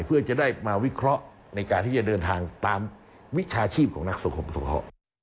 เพื่อจะได้มาวิเคราะห์ในการที่จะเดินทางตามวิชาชีพของนักสังคมสงเคราะห์